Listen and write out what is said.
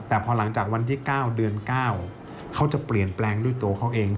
แต่พอหลังจากวันที่๙เดือน๙เขาจะเปลี่ยนแปลงด้วยตัวเขาเอง